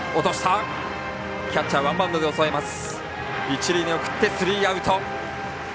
一塁に送ってスリーアウト。